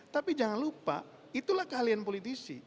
tapi jangan lupa itulah keahlian politisi